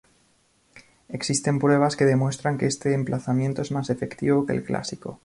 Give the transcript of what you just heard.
Existen pruebas que demuestran que este emplazamiento es más efectivo que el clásico.